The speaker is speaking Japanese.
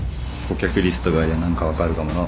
顧客リストがありゃ何か分かるかもな